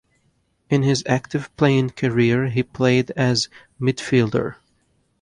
In his active playing career he played as a midfielder.